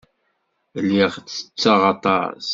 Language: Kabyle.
Lliɣ ttetteɣ aṭas.